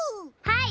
はい！